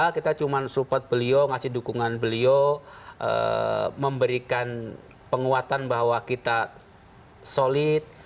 kita cuma support beliau ngasih dukungan beliau memberikan penguatan bahwa kita solid